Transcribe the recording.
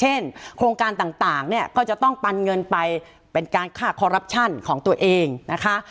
เช่นโครงการต่างต่างเนี่ยก็จะต้องปันเงินไปเป็นการฆ่าของตัวเองนะคะ